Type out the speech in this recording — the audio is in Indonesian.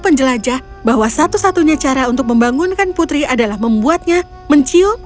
penjelajah bahwa satu satunya cara untuk membangunkan putri adalah membuatnya mencium